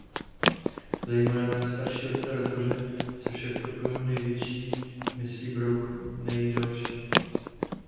Zejména ve starší literatuře se však pod pojmem největší myslí brouk nejdelší.